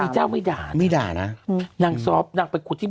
ใส่เอานิดนึงดีกว่า